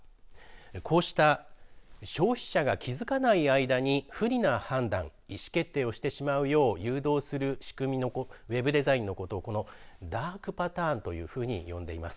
こうした消費者が気付かない間に不利な判断、意思決定をしてしまうよう誘導する仕組みのウェブデザインのことをダークパターンと呼んでいます。